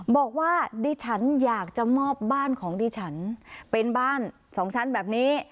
บอกว่าดิฉันอยากจะมอบบ้านของดิฉันเป็นบ้านสองชั้นแบบนี้